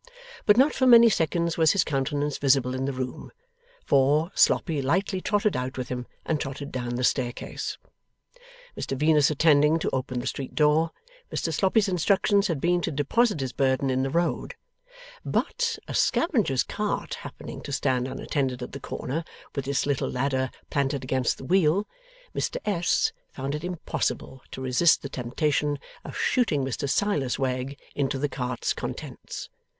But, not for many seconds was his countenance visible in the room; for, Sloppy lightly trotted out with him and trotted down the staircase, Mr Venus attending to open the street door. Mr Sloppy's instructions had been to deposit his burden in the road; but, a scavenger's cart happening to stand unattended at the corner, with its little ladder planted against the wheel, Mr S. found it impossible to resist the temptation of shooting Mr Silas Wegg into the cart's contents.